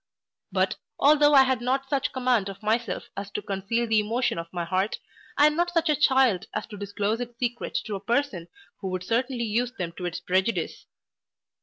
But, although I had not such command of myself as to conceal the emotion of my heart, I am not such a child as to disclose its secret to a person who would certainly use them to its prejudice.